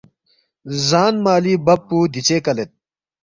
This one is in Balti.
زان مالی بب پو دیژے کلید